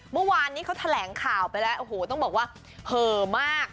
เมื่อวานนี้เขาแถลงข่าวไปแล้วโอ้โหต้องบอกว่าเหอะมาก